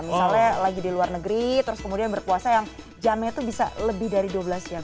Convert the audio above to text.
misalnya lagi di luar negeri terus kemudian berpuasa yang jamnya itu bisa lebih dari dua belas jam